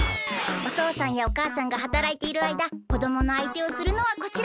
おとうさんやおかあさんがはたらいているあいだこどものあいてをするのはこちら！